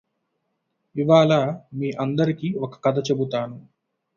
ఇవాళ మీ అందరికి ఒక కథ చెపుతాను